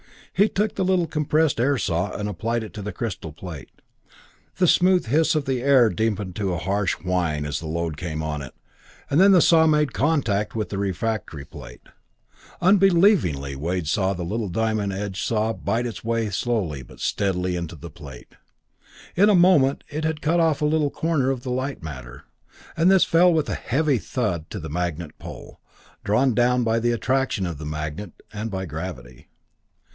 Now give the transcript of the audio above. He took the little compressed air saw, and applied it to the crystal plate. The smooth hiss of the air deepened to a harsh whine as the load came on it, then the saw made contact with the refractory plate. Unbelievingly Wade saw the little diamond edge saw bite its way slowly but steadily into the plate. In a moment it had cut off a little corner of the light matter, and this fell with a heavy thud to the magnet pole, drawn down by the attraction of the magnet and by gravity.